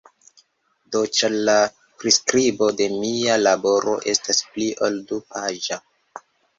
Do, ĉar, la priskribo de mia laboro estas pli ol du-paĝa.